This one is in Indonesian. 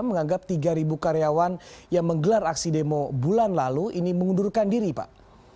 menganggap tiga karyawan yang menggelar aksi demo bulan lalu ini mengundurkan diri pak